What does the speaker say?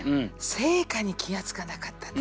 「生家」に気が付かなかった私。